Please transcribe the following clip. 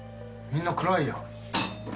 みんな暗いやん。